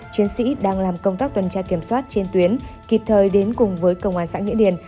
chiến sĩ đang làm công tác tuần tra kiểm soát trên tuyến kịp thời đến cùng với công an xã nghĩa điền